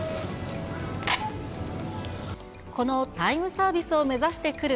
このタイムサービスを目指して来る